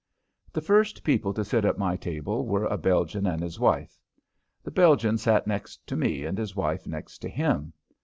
The first people to sit at my table were a Belgian and his wife. The Belgian sat next to me and his wife next to him.